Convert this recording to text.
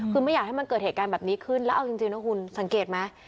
คือไม่อยากให้มันเกิดเหตุการณ์แบบนี้ขึ้นแล้วเอาจริงนะคุณสังเกตไหม